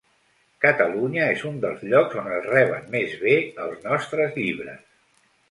Catalunya és un dels llocs on es reben més bé els nostres llibres.